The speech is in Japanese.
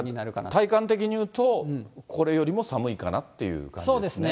体感的に言うと、これよりも寒いかなという感じですね。